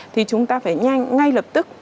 thì chúng ta phải nhanh ngay lập tức